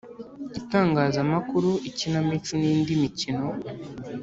itangazamakuru, ikinamico n'indi mikino.